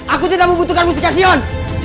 aku tidak membutuhkan mustikasion